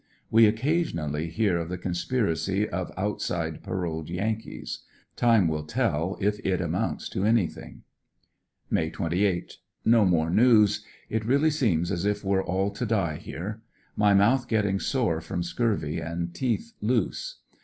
We occasionally hear of the conspiracy of outside paroled Yankees. Time will tell if it amounts to anything. May 28. — No more news. It really seems as if we're all to die here. My mouth getting sore from scurvy and teeth loose.